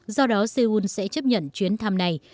do đó seoul sẽ chấp nhận chuyến thăm này